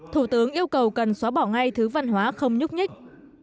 thủ tướng yêu cầu cần xóa bỏ ngay thứ văn hóa không nhúc nhích